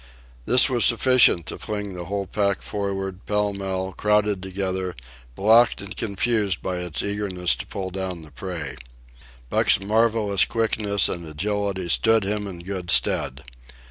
This was sufficient to fling the whole pack forward, pell mell, crowded together, blocked and confused by its eagerness to pull down the prey. Buck's marvellous quickness and agility stood him in good stead.